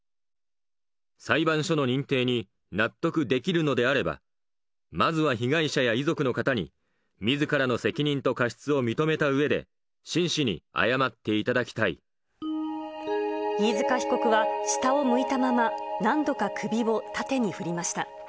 裁判所の認定に納得できるのであれば、まずは被害者や遺族の方にみずからの責任と過失を認めたうえで、飯塚被告は下を向いたまま、何度か首を縦に振りました。